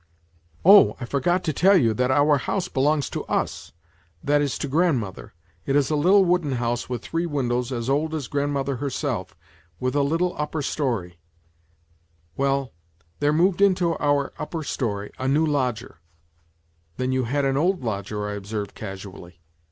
" Oh, I forgot to tell you that our house belongs to us, that is to grandmother ; it is a little wooden house with three windows as old as grandmother herself, with a little upper storey ; well, there mov^iftt^ muuippeijiprcxJ 1 Ilrw lodger." " Then you had an old lodger," I observed casually.